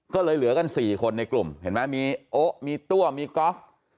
ก็เลยเหลือกัน๔คนในกลุ่มเห็นไหมมีโอ๊ะมีตัวมีกอล์ฟ